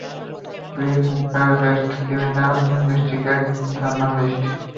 তুমি এখানকার best criminal investigate journalist.